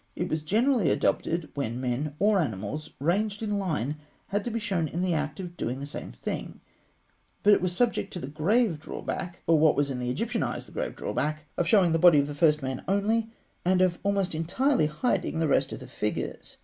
It was generally adopted when men or animals, ranged in line, had to be shown in the act of doing the same thing; but it was subject to the grave drawback (or what was in Egyptian eyes the grave drawback) of showing the body of the first man only, and of almost entirely hiding the rest of the figures.